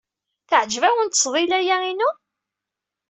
Teɛǧeb-awen ttesḍila-ya-inu?